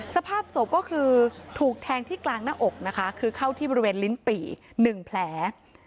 สภาพศพก็คือถูกแทงที่กลางหน้าอกนะคะคือเข้าที่บริเวณลิ้นปี่๑แผล